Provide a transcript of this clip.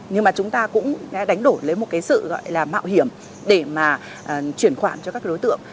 nhưng mà chúng ta cũng đánh đổi lấy một cái sự gọi là mạo hiểm để mà chuyển khoản cho các đối tượng